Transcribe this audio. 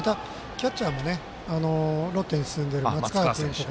キャッチャーもロッテに進んでいる松川選手